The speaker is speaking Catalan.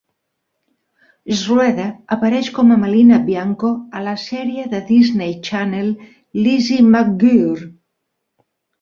Schroeder apareix com a Melina Bianco a la sèrie de Disney Channel "Lizzie McGuire".